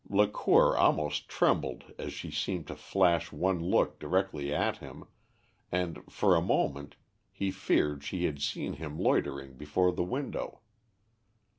Lacour almost trembled as she seemed to flash one look directly at him, and, for a moment, he feared she had seen him loitering before the window.